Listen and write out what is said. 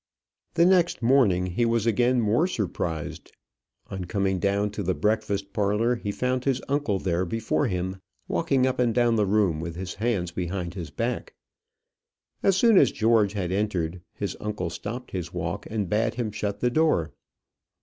The next morning he was again more surprised. On coming down to the breakfast parlour, he found his uncle there before him, walking up and down the room with his hands behind his back. As soon as George had entered, his uncle stopped his walk, and bade him shut the door.